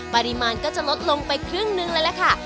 ปริมาณก็จะลดลงไปครึ่งนึงแล้วล่ะค่ะ